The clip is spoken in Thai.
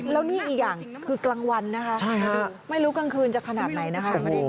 แล้วนี่อีกอย่างคือกลางวันนะคะไม่รู้กลางคืนจะขนาดไหนนะคะ